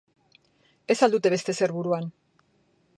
Ez al dute beste ezer buruan?